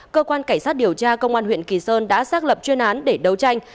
cơ quan cảnh sát điều tra công an huyện kỳ sơn đã xác lập chuyên án để đấu tranh